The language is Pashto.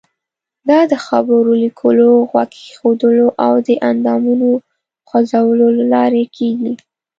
دا د خبرو، لیکلو، غوږ ایښودلو او د اندامونو خوځولو له لارې کیږي.